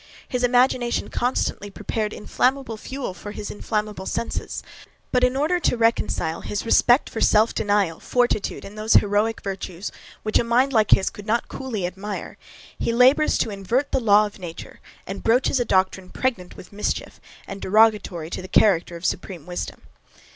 His imagination constantly prepared inflammable fuel for his inflammable senses; but, in order to reconcile his respect for self denial, fortitude and those heroic virtues, which a mind like his could not coolly admire, he labours to invert the law of nature, and broaches a doctrine pregnant with mischief, and derogatory to the character of supreme wisdom.